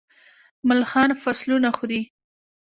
ملخان فصلونه خوري.